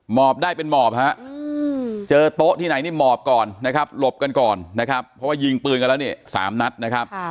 อบได้เป็นหมอบฮะเจอโต๊ะที่ไหนนี่หมอบก่อนนะครับหลบกันก่อนนะครับเพราะว่ายิงปืนกันแล้วเนี่ย๓นัดนะครับ